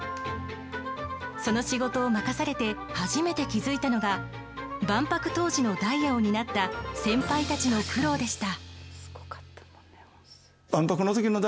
その仕事を任されて初めて気付いたのが万博当時のダイヤを担った先輩たちの苦労でした。